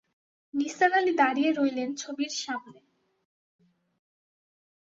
নিসার আলি দাঁড়িয়ে রইলেন ছবির সামনে।